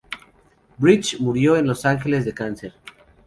Bridges murió en Los Ángeles de cáncer.